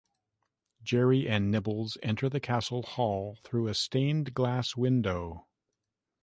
Jerry and Nibbles enter the castle hall through a stained-glass window.